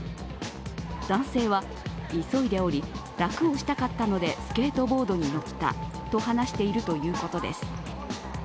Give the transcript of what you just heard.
男性は、急いでおり、楽をしたかったのでスケートボードに乗ったと話しているということです。